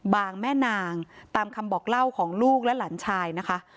แม่นางตามคำบอกเล่าของลูกและหลานชายนะคะ